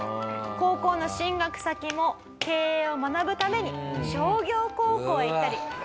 高校の進学先も経営を学ぶために商業高校へ行ったり。